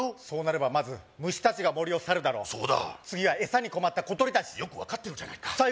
そうなればまず虫達が森を去るだろうそうだ次はエサに困った小鳥達よく分かってるじゃないか